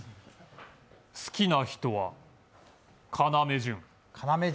好きな人は要潤。